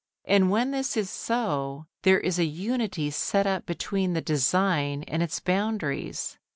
And when this is so, there is a unity set up between the design and its boundaries.